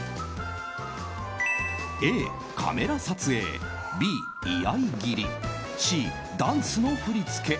Ａ、カメラ撮影Ｂ、居合い切りＣ、ダンスの振り付け。